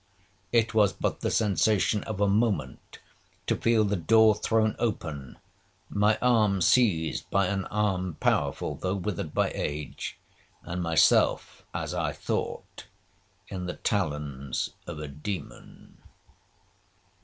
It was but the sensation of a moment to feel the door thrown open, my arm seized by an arm powerful though withered by age, and myself, as I thought, in the talons of a demon.